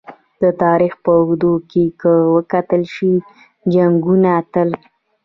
د تاریخ په اوږدو کې که وکتل شي! جنګونه تل